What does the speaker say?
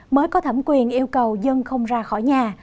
mới có thẩm quyền yêu cầu dân không ra khỏi nhà